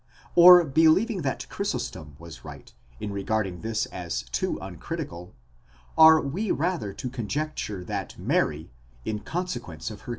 Or, believing that Chrysostom was right in regarding this as too uncritical,'® are we rather to conjecture that Mary, in consequence of her.